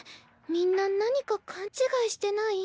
みんな何か勘違いしてない？